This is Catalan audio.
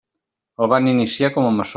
El van iniciar com a maçó.